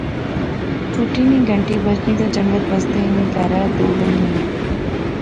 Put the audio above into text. چھٹی نی کہنٹی بجنی تے جنگت بستے ہنی کہرا ا دوڑ لائی ہننے